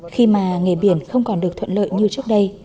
khi mà nghề biển không còn được thuận lợi như trước đây